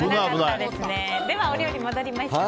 ではお料理に戻りましょう。